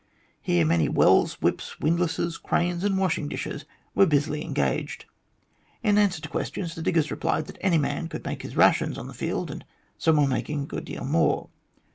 Here many wells, whips, windlasses, cradles, and washing dishes were busily engaged. In answer to questions, the diggers replied that any man could make his rations on the field, and some were making a good deal more.